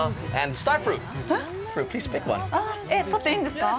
取っていいんですか？